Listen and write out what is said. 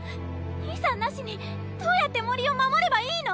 兄さんなしにどうやって森を守ればいいの？